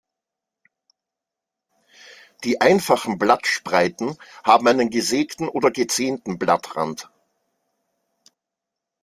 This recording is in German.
Die einfachen Blattspreiten haben einen gesägten oder gezähnten Blattrand.